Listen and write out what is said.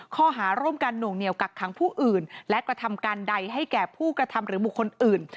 ข้อหาร่วมกันหน่วงเหนียวกักขังผู้อื่นและกระทำการใดให้แก่ผู้กระทำหรือบุคคลอื่น